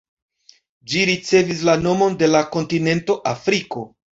Ĝi ricevis la nomon de la kontinento Afriko.